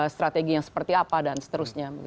strategi yang seperti apa dan seterusnya